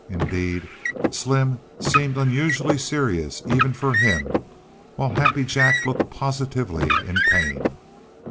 Indeed, Slim seemed unusually serious, even for him, while Happy Jack looked positively in pain.